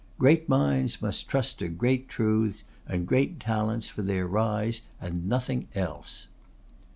Great minds must trust to great truths and great talents for their rise, and nothing else.